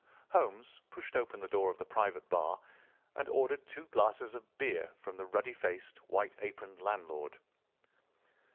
Holmes pushed open the door of the private bar and ordered two glasses of beer from the ruddy faced, white aproned landlord.